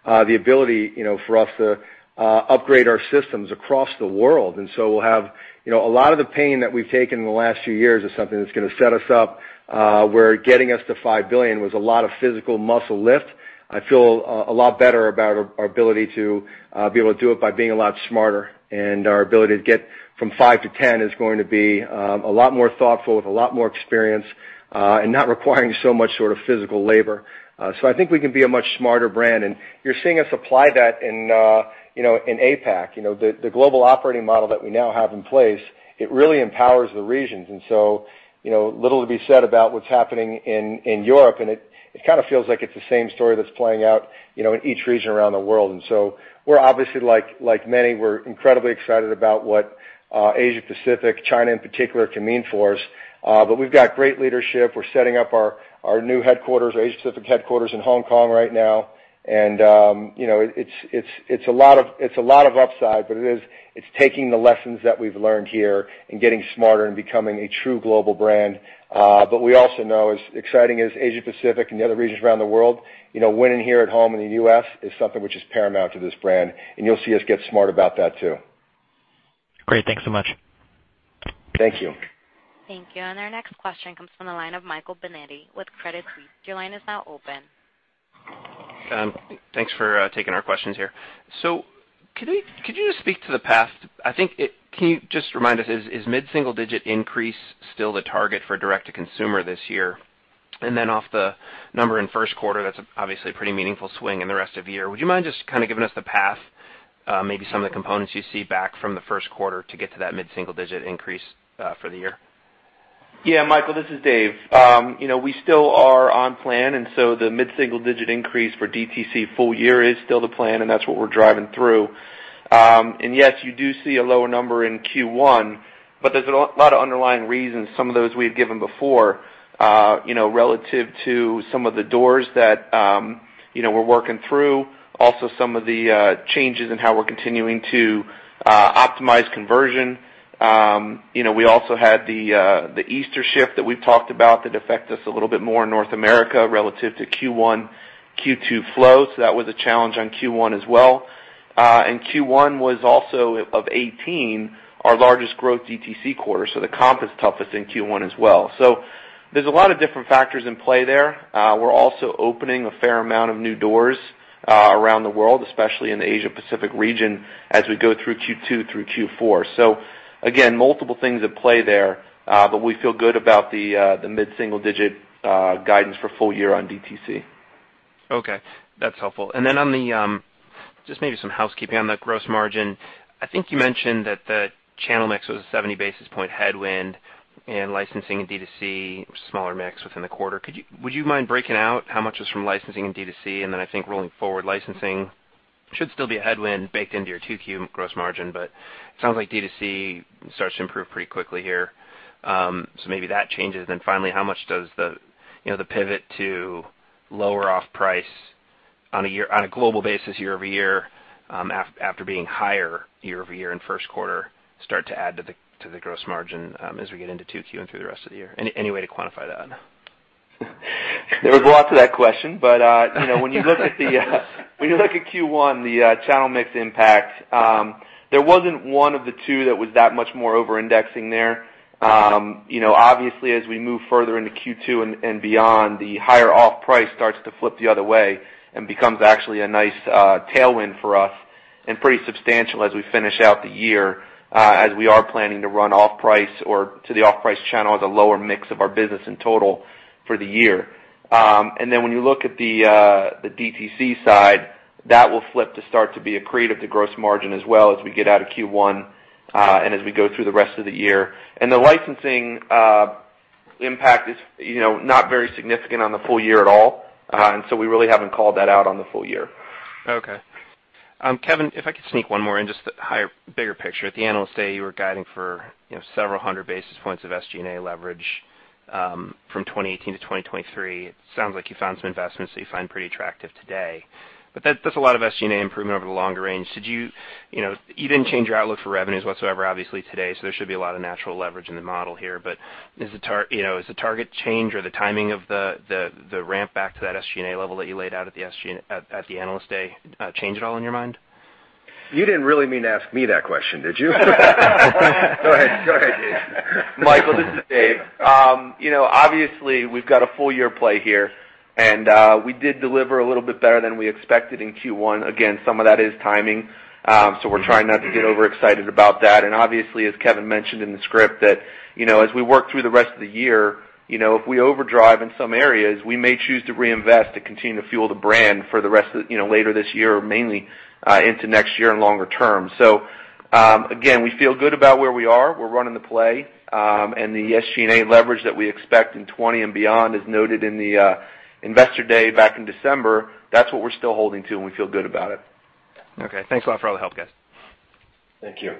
the ability for us to upgrade our systems across the world. We'll have a lot of the pain that we've taken in the last few years is something that's going to set us up where getting us to $5 billion was a lot of physical muscle lift. I feel a lot better about our ability to be able to do it by being a lot smarter. Our ability to get from five to 10 is going to be a lot more thoughtful, with a lot more experience, and not requiring so much sort of physical labor. I think we can be a much smarter brand. You're seeing us apply that in APAC. The global operating model that we now have in place, it really empowers the regions. Little to be said about what's happening in Europe. It kind of feels like it's the same story that's playing out in each region around the world. We're obviously, like many, we're incredibly excited about what Asia-Pacific, China in particular, can mean for us. We've got great leadership. We're setting up our new headquarters, our Asia-Pacific headquarters in Hong Kong right now. It's a lot of upside. It's taking the lessons that we've learned here and getting smarter and becoming a true global brand. We also know as exciting as Asia-Pacific and the other regions around the world, winning here at home in the U.S. is something which is paramount to this brand. You'll see us get smart about that too. Great. Thanks so much. Thank you. Thank you. Our next question comes from the line of Michael Binetti with Credit Suisse. Your line is now open. Thanks for taking our questions here. Could you just speak to the past can you just remind us, is mid-single-digit increase still the target for direct-to-consumer this year? Off the number in first quarter, that's obviously a pretty meaningful swing in the rest of the year. Would you mind just kind of giving us the path, maybe some of the components you see back from the first quarter to get to that mid-single-digit increase for the year? Yeah, Michael. This is Dave. We still are on plan. The mid-single-digit increase for DTC full year is still the plan. That's what we're driving through. Yes, you do see a lower number in Q1. There's a lot of underlying reasons, some of those we had given before, relative to some of the doors that we're working through, also some of the changes in how we're continuing to optimize conversion. We also had the Easter shift that we've talked about that affects us a little bit more in North America relative to Q1, Q2 flow. That was a challenge on Q1 as well. Q1 was also, of 2018, our largest growth DTC quarter. The comp is toughest in Q1 as well. There's a lot of different factors in play there. We're also opening a fair amount of new doors around the world, especially in the Asia-Pacific region, as we go through Q2 through Q4. Again, multiple things at play there. We feel good about the mid-single-digit guidance for full year on DTC. Okay. That's helpful. On the just maybe some housekeeping on the gross margin, I think you mentioned that the channel mix was a 70 basis point headwind in licensing and DTC, smaller mix within the quarter. Would you mind breaking out how much was from licensing and DTC? I think rolling forward, licensing should still be a headwind baked into your 2Q gross margin. It sounds like DTC starts to improve pretty quickly here. Maybe that changes. Finally, how much does the pivot to lower off-price on a global basis, year-over-year, after being higher year-over-year in first quarter, start to add to the gross margin as we get into 2Q and through the rest of the year? Any way to quantify that? There was lots of that question. When you look at Q1, the channel mix impact, there wasn't one of the two that was that much more over-indexing there. Obviously, as we move further into Q2 and beyond, the higher off-price starts to flip the other way and becomes actually a nice tailwind for us and pretty substantial as we finish out the year, as we are planning to run off-price or to the off-price channel as a lower mix of our business in total for the year. When you look at the DTC side, that will flip to start to be accretive to gross margin as well as we get out of Q1 and as we go through the rest of the year. The licensing impact is not very significant on the full year at all. We really haven't called that out on the full year. Okay. Kevin, if I could sneak one more in just the bigger picture. At the analyst day, you were guiding for several hundred basis points of SG&A leverage from 2018 to 2023. It sounds like you found some investments that you find pretty attractive today. That's a lot of SG&A improvement over the longer range. You didn't change your outlook for revenues whatsoever, obviously, today. There should be a lot of natural leverage in the model here. Does the target change or the timing of the ramp back to that SG&A level that you laid out at the analyst day change at all in your mind? You didn't really mean to ask me that question, did you? Go ahead. Go ahead, Dave. Michael, this is Dave. Obviously, we've got a full-year play here. We did deliver a little bit better than we expected in Q1. Again, some of that is timing. We're trying not to get overexcited about that. Obviously, as Kevin mentioned in the script, that as we work through the rest of the year, if we overdrive in some areas, we may choose to reinvest to continue to fuel the brand for the rest of later this year, mainly into next year and longer term. Again, we feel good about where we are. We're running the play. The SG&A leverage that we expect in 2020 and beyond is noted in the investor day back in December. That's what we're still holding to. We feel good about it. Okay. Thanks a lot for all the help, guys. Thank you.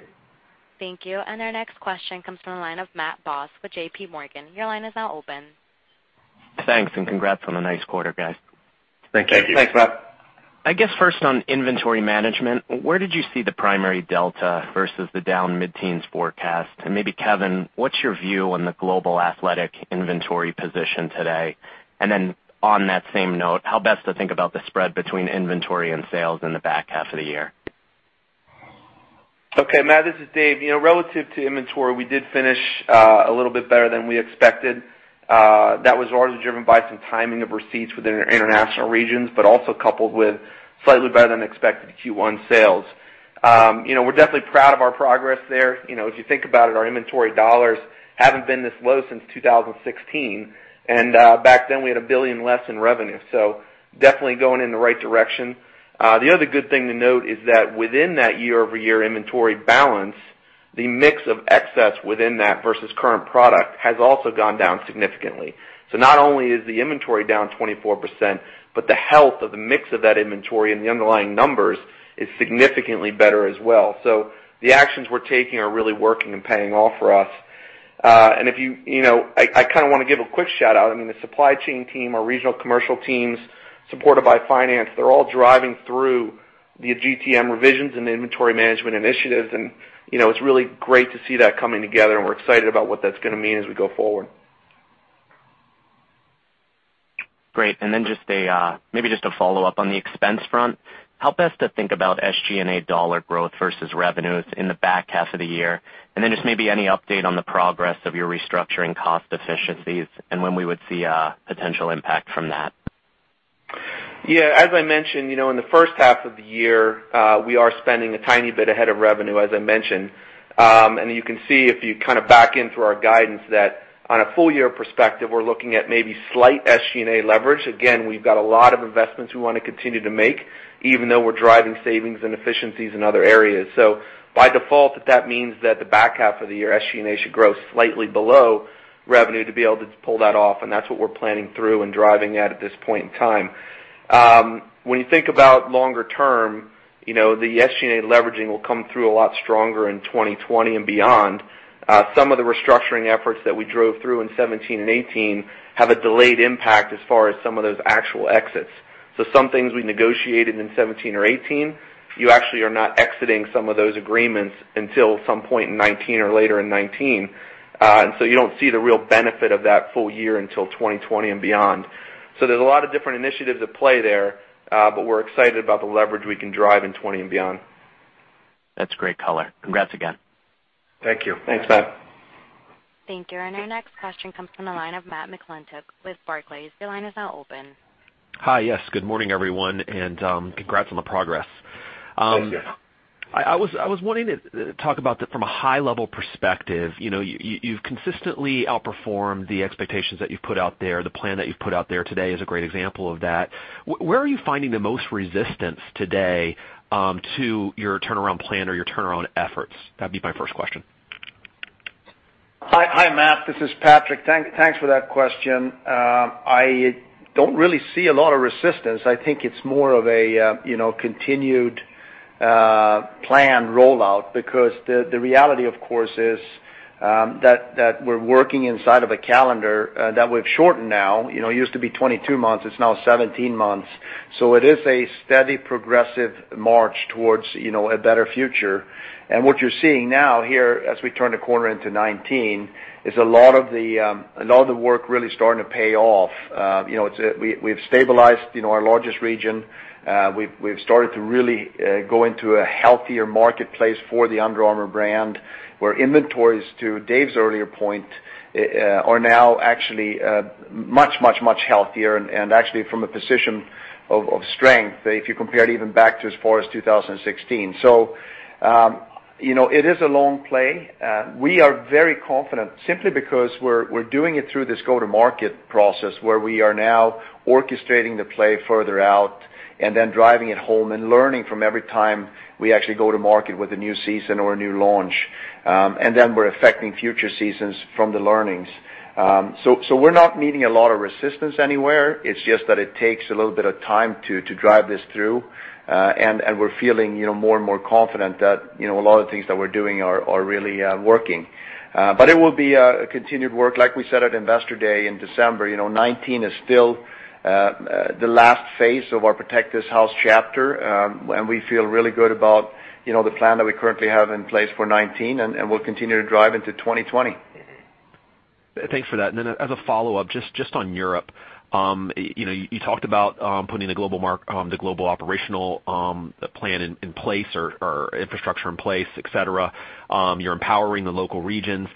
Thank you. Our next question comes from the line of Matthew Boss with JPMorgan. Your line is now open. Thanks. Congrats on a nice quarter, guys. Thank you. Thanks, Matt. I guess first on inventory management, where did you see the primary delta versus the down mid-teens forecast? Maybe, Kevin, what's your view on the global athletic inventory position today? On that same note, how best to think about the spread between inventory and sales in the back half of the year? Okay, Matt. This is Dave. Relative to inventory, we did finish a little bit better than we expected. That was largely driven by some timing of receipts within our international regions, but also coupled with slightly better than expected Q1 sales. We're definitely proud of our progress there. If you think about it, our inventory dollars haven't been this low since 2016. Back then, we had $1 billion less in revenue. Definitely going in the right direction. The other good thing to note is that within that year-over-year inventory balance, the mix of excess within that versus current product has also gone down significantly. Not only is the inventory down 24%, but the health of the mix of that inventory and the underlying numbers is significantly better as well. The actions we're taking are really working and paying off for us. I mean, the supply chain team, our regional commercial teams, supported by finance, they're all driving through the GTM revisions and inventory management initiatives. It's really great to see that coming together. We're excited about what that's going to mean as we go forward. Great. Maybe just a follow-up on the expense front, how best to think about SG&A dollar growth versus revenues in the back half of the year? Just maybe any update on the progress of your restructuring cost efficiencies and when we would see a potential impact from that. As I mentioned, in the first half of the year, we are spending a tiny bit ahead of revenue, as I mentioned. You can see if you kind of back in through our guidance that on a full-year perspective, we're looking at maybe slight SG&A leverage. We've got a lot of investments we want to continue to make, even though we're driving savings and efficiencies in other areas. By default, that means that the back half of the year, SG&A should grow slightly below revenue to be able to pull that off. That's what we're planning through and driving at at this point in time. When you think about longer term, the SG&A leveraging will come through a lot stronger in 2020 and beyond. Some of the restructuring efforts that we drove through in 2017 and 2018 have a delayed impact as far as some of those actual exits. Some things we negotiated in 2017 or 2018, you actually are not exiting some of those agreements until some point in 2019 or later in 2019. You don't see the real benefit of that full year until 2020 and beyond. There's a lot of different initiatives at play there. We're excited about the leverage we can drive in 2020 and beyond. That's great color. Congrats again. Thank you. Thanks, Matt. Thank you. Our next question comes from the line of Matthew McClintock with Barclays. Your line is now open. Hi. Yes. Good morning, everyone. Congrats on the progress. Thank you. I was wanting to talk about that from a high-level perspective. You've consistently outperformed the expectations that you've put out there. The plan that you've put out there today is a great example of that. Where are you finding the most resistance today to your turnaround plan or your turnaround efforts? That'd be my first question. Hi, Matt. This is Patrik. Thanks for that question. I don't really see a lot of resistance. I think it's more of a continued plan rollout because the reality, of course, is that we're working inside of a calendar that we've shortened now. It used to be 22 months. It's now 17 months. It is a steady, progressive march towards a better future. What you're seeing now here, as we turn the corner into 2019, is a lot of the work really starting to pay off. We've stabilized our largest region. We've started to really go into a healthier marketplace for the Under Armour brand, where inventories, to Dave's earlier point, are now actually much, much, much healthier and actually from a position of strength if you compare it even back to as far as 2016. It is a long play. We are very confident simply because we're doing it through this go-to-market process where we are now orchestrating the play further out and then driving it home and learning from every time we actually go to market with a new season or a new launch. We're affecting future seasons from the learnings. We're not meeting a lot of resistance anywhere. It's just that it takes a little bit of time to drive this through. We're feeling more and more confident that a lot of the things that we're doing are really working. It will be a continued work. Like we said at investor day in December, 2019 is still the last phase of our Protect This House Chapter. We feel really good about the plan that we currently have in place for 2019. We'll continue to drive into 2020. Thanks for that. As a follow-up, just on Europe, you talked about putting the global operational plan in place or infrastructure in place, etc. You're empowering the local regions.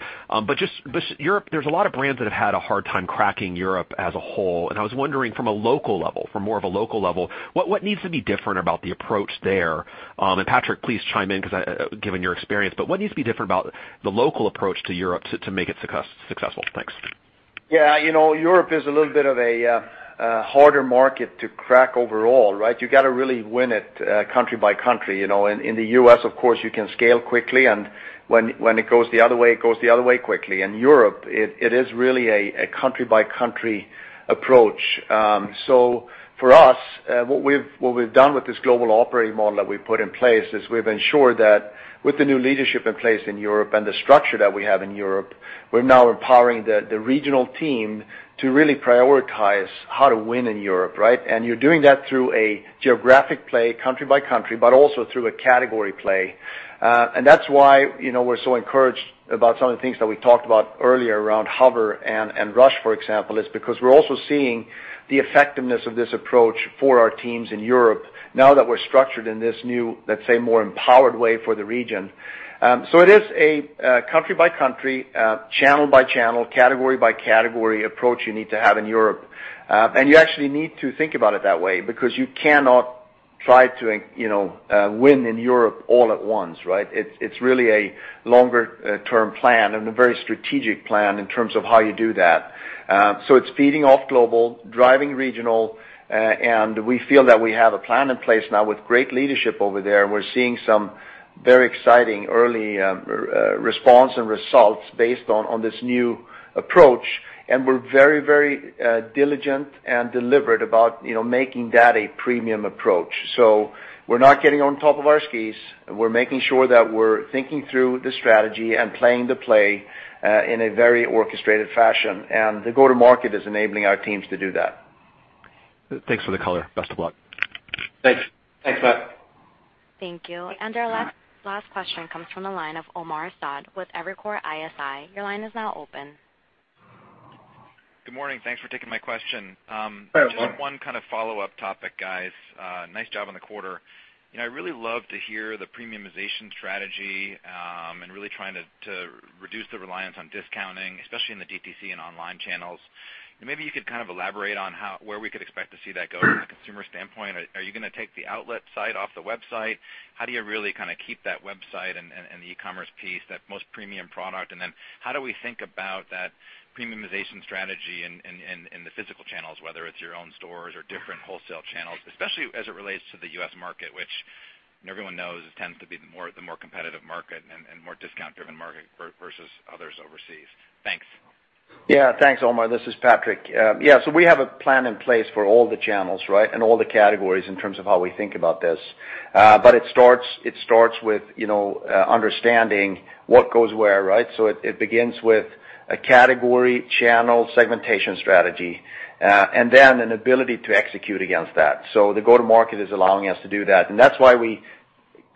Europe, there's a lot of brands that have had a hard time cracking Europe as a whole. I was wondering, from a local level, from more of a local level, what needs to be different about the approach there? Patrik, please chime in, given your experience. What needs to be different about the local approach to Europe to make it successful? Thanks. Yeah. Europe is a little bit of a harder market to crack overall, right? You got to really win it country by country. In the U.S., of course, you can scale quickly. When it goes the other way, it goes the other way quickly. In Europe, it is really a country-by-country approach. For us, what we've done with this global operating model that we put in place is we've ensured that with the new leadership in place in Europe and the structure that we have in Europe, we're now empowering the regional team to really prioritize how to win in Europe, right? You're doing that through a geographic play, country by country, but also through a category play. That's why we're so encouraged about some of the things that we talked about earlier around HOVR and UA RUSH, for example, is because we're also seeing the effectiveness of this approach for our teams in Europe now that we're structured in this new, let's say, more empowered way for the region. It is a country by country, channel by channel, category by category approach you need to have in Europe. You actually need to think about it that way because you cannot try to win in Europe all at once, right? It's really a longer-term plan and a very strategic plan in terms of how you do that. It's feeding off global, driving regional. We feel that we have a plan in place now with great leadership over there. We're seeing some very exciting early response and results based on this new approach. We're very, very diligent and deliberate about making that a premium approach. We're not getting on top of our skis. We're making sure that we're thinking through the strategy and playing the play in a very orchestrated fashion. The go-to-market is enabling our teams to do that. Thanks for the color. Best of luck. Thanks. Thanks, Matt. Thank you. Our last question comes from the line of Omar Saad with Evercore ISI. Your line is now open. Good morning. Thanks for taking my question. Just one kind of follow-up topic, guys. Nice job on the quarter. I really love to hear the premiumization strategy and really trying to reduce the reliance on discounting, especially in the DTC and online channels. Maybe you could kind of elaborate on where we could expect to see that go from a consumer standpoint. Are you going to take the outlet side off the website? How do you really kind of keep that website and the e-commerce piece, that most premium product? How do we think about that premiumization strategy in the physical channels, whether it's your own stores or different wholesale channels, especially as it relates to the U.S. market, which everyone knows tends to be the more competitive market and more discount-driven market versus others overseas? Thanks. Yeah. Thanks, Omar. This is Patrik. Yeah. We have a plan in place for all the channels, right, and all the categories in terms of how we think about this. It starts with understanding what goes where, right? It begins with a category channel segmentation strategy and then an ability to execute against that. The go-to-market is allowing us to do that. That's why we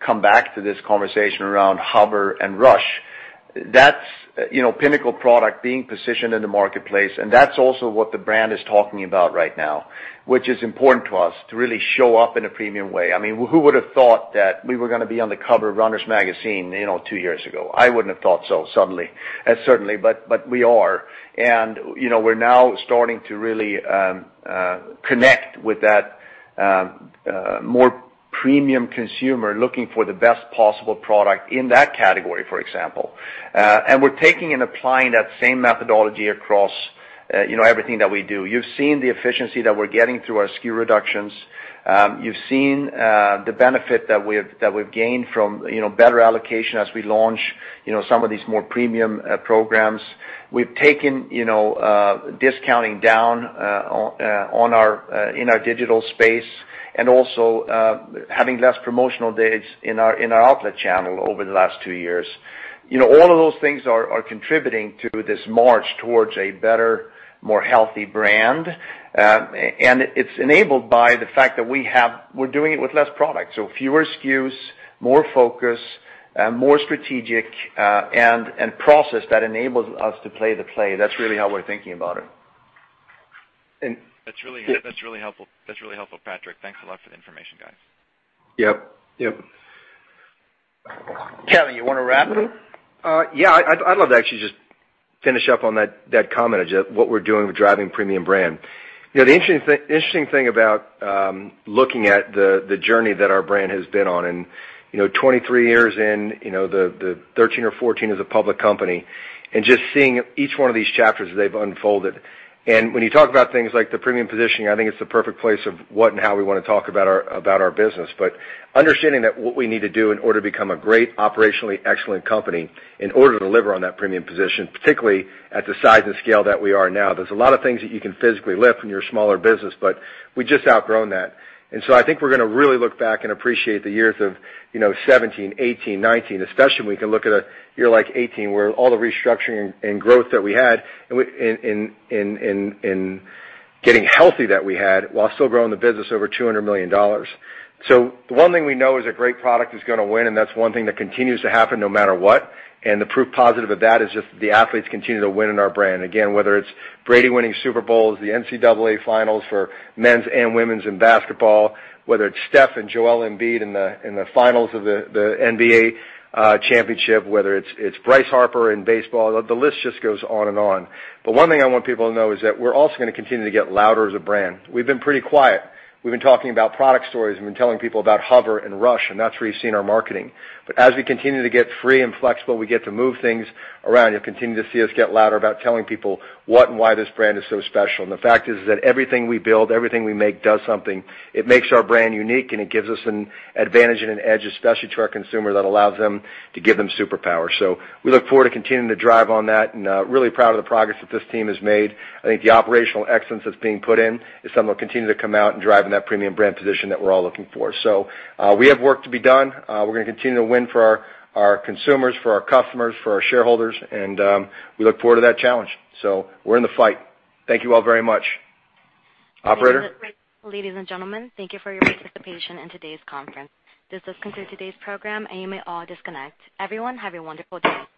come back to this conversation around HOVR and UA RUSH. That's pinnacle product being positioned in the marketplace. That's also what the brand is talking about right now, which is important to us to really show up in a premium way. I mean, who would have thought that we were going to be on the cover of Runner's World two years ago? I wouldn't have thought so suddenly. Certainly. We are. We're now starting to really connect with that more premium consumer looking for the best possible product in that category, for example. We're taking and applying that same methodology across everything that we do. You've seen the efficiency that we're getting through our SKU reductions. You've seen the benefit that we've gained from better allocation as we launch some of these more premium programs. We've taken discounting down in our digital space and also having less promotional days in our outlet channel over the last two years. All of those things are contributing to this march towards a better, more healthy brand. It's enabled by the fact that we're doing it with less product. Fewer SKUs, more focus, more strategic and process that enables us to play the play. That's really how we're thinking about it. That's really helpful. That's really helpful, Patrik. Thanks a lot for the information, guys. Yep. Yep. Kevin, you want to wrap? Yeah. I'd love to actually just finish up on that comment, what we're doing with driving premium brand. The interesting thing about looking at the journey that our brand has been on in 23 years in, the 13 or 14 as a public company, and just seeing each one of these chapters as they've unfolded. When you talk about things like the premium positioning, I think it's the perfect place of what and how we want to talk about our business. Understanding that what we need to do in order to become a great, operationally excellent company in order to deliver on that premium position, particularly at the size and scale that we are now, there's a lot of things that you can physically lift when you're a smaller business. We just outgrown that. I think we're going to really look back and appreciate the years of 2017, 2018, 2019, especially when we can look at a year like 2018 where all the restructuring and growth that we had in getting healthy that we had while still growing the business over $200 million. The one thing we know is a great product is going to win. That's one thing that continues to happen no matter what. The proof positive of that is just the athletes continue to win in our brand. Again, whether it's Brady winning Super Bowls, the NCAA finals for men's and women's in basketball, whether it's Steph and Joel Embiid in the finals of the NBA championship, whether it's Bryce Harper in baseball, the list just goes on and on. One thing I want people to know is that we're also going to continue to get louder as a brand. We've been pretty quiet. We've been talking about product stories. We've been telling people about HOVR and RUSH. That's where you've seen our marketing. As we continue to get free and flexible, we get to move things around. You'll continue to see us get louder about telling people what and why this brand is so special. The fact is that everything we build, everything we make does something. It makes our brand unique. It gives us an advantage and an edge, especially to our consumer, that allows them to give them superpower. We look forward to continuing to drive on that. Really proud of the progress that this team has made. I think the operational excellence that's being put in is something that will continue to come out and drive in that premium brand position that we're all looking for. We have work to be done. We're going to continue to win for our consumers, for our customers, for our shareholders. We look forward to that challenge. We're in the fight. Thank you all very much. Operator. Ladies and gentlemen, thank you for your participation in today's conference. This does conclude today's program. You may all disconnect. Everyone, have a wonderful day.